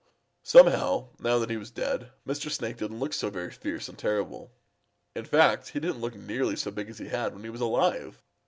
Somehow, now that he was dead, Mr. Snake didn't look so very fierce and terrible. In fact he didn't look nearly so big as he had when he was alive.